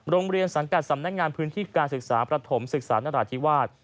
โรงเรียนสังกัดสำนักงานพื้นที่การศึกษาประถมศึกษานราธิวาส